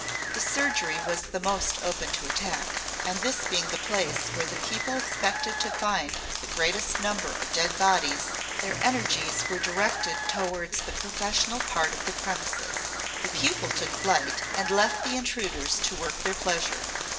The surgery was the most open to attack; and this being the place where the people expected to find the greatest number of dead bodies, their energies were directed towards the professional part of the premises. The pupil took flight, and left the intruders to work their pleasure.